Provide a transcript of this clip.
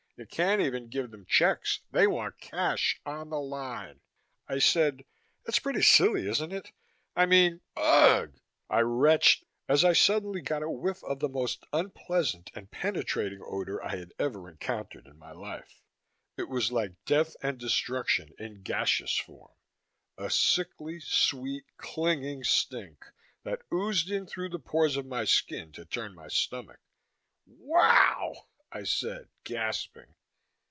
You can't even give them checks they want cash on the line." I said, "That's pretty silly, isn't it? I mean ugh!" I retched, as I suddenly got a whiff of the most unpleasant and penetrating odor I had ever encountered in my life. It was like death and destruction in gaseous form; a sickly sweet, clinging stink that oozed in through the pores of my skin to turn my stomach. "Wow!" I said, gasping.